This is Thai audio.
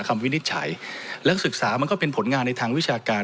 วินิจฉัยนักศึกษามันก็เป็นผลงานในทางวิชาการ